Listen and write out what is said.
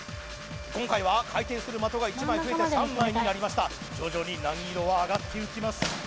今回は回転する的が１枚増えて３枚になりました徐々に難易度は上がっていきます